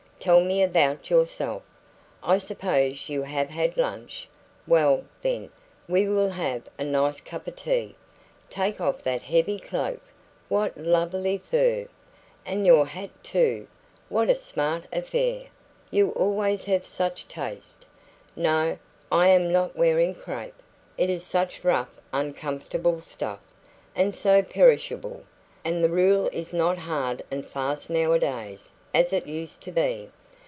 Tell me about yourself. I suppose you have had lunch? Well, then, we will have a nice cup of tea. Take off that heavy cloak what lovely fur! And your hat too what a smart affair! You always have such taste. No, I am not wearing crape; it is such rough, uncomfortable stuff, and so perishable; and the rule is not hard and fast nowadays, as it used to be.